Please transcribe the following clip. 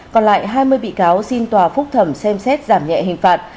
còn lại hai mươi bị cáo xin tòa phúc thẩm xem xét giảm nhẹ hình phạt